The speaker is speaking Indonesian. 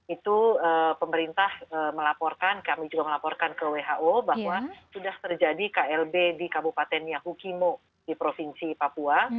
itu pemerintah melaporkan kami juga melaporkan ke who bahwa sudah terjadi klb di kabupaten yahukimo di provinsi papua